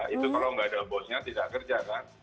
itu kalau nggak ada bosnya tidak kerja kan